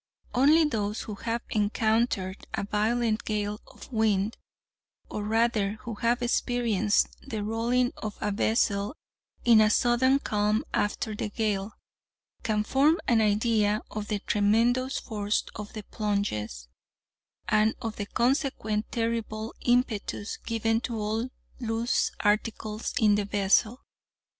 Only those who have encountered a violent gale of wind, or rather who have experienced the rolling of a vessel in a sudden calm after the gale, can form an idea of the tremendous force of the plunges, and of the consequent terrible impetus given to all loose articles in the vessel.